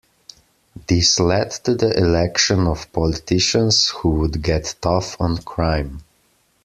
This led to the election of politicians who would get tough on crime.